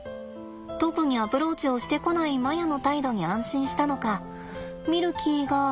特にアプローチをしてこないマヤの態度に安心したのかミルキーが。